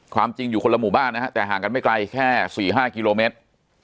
จริงอยู่คนละหมู่บ้านนะฮะแต่ห่างกันไม่ไกลแค่๔๕กิโลเมตร